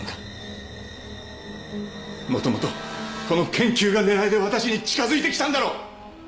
もともとこの研究が狙いでわたしに近づいてきたんだろう